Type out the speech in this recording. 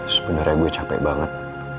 sebenernya gue capek banget